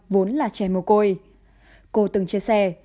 vốn là trẻ mồ côi cô từng chia sẻ